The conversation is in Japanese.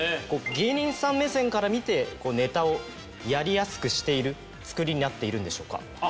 芸人さん目線から見てネタをやりやすくしている作りになっているんでしょうか？